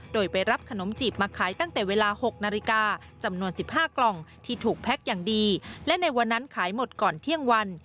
โดยไปรับขนมจีบมาขายตั้งแต่เวลา๖นาฬิกาจำนวน๑๕กล่องที่ถูกแพ็คอย่างดีและในวันนั้นขายหมดก่อนเที่ยงวัน